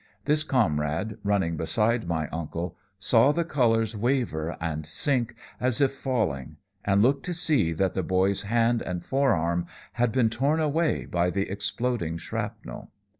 This comrade, running beside my uncle, saw the colors waver and sink as if falling, and looked to see that the boy's hand and forearm had been torn away by the exploding shrapnel.